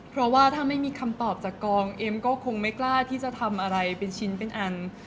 เพราะว่าถ้าไม่มีคำตอบจากกองเอ็มก็คงไม่กล้าที่จะทำอะไรเป็นชิ้นเป็นอัน